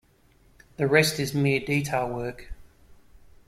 The rest is mere detail work.